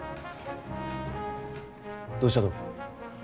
どうしたと？